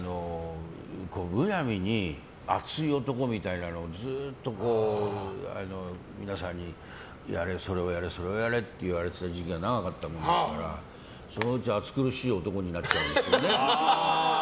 むやみに熱い男みたいなのをずっと皆さんにそれをやれって言われてた時期が長かったものですからそのうち熱苦しい男になってましたよね。